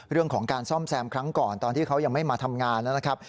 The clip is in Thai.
เรื่องของการซ่อมแซมครั้งก่อนตอนที่เขายังไม่มาทำงานนะครับ